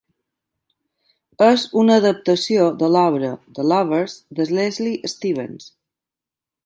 És una adaptació de l'obra "The Lovers" de Leslie Stevens.